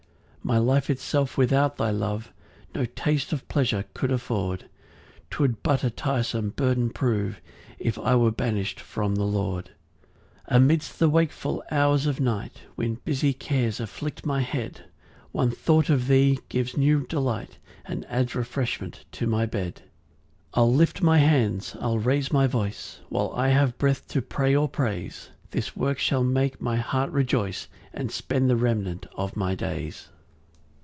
6 My life itself without thy love No taste of pleasure could afford; 'Twould but a tiresome burden prove, If I were banish'd from the Lord. 7 Amidst the wakeful hours of night, When busy cares afflict my head One thought of thee gives new delight, And adds refreshment to my bed. 8 I'll lift my hands, I'll raise my voice, While I have breath to pray or praise; This work shall make my heart rejoice, And spend the remnant of my days.